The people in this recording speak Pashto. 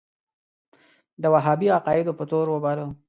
د وهابي عقایدو په تور وباله.